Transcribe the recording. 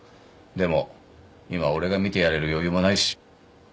でも今俺が見てやれる余裕もないし。